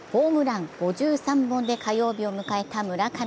ホームラン５３本で火曜日を迎えた村上。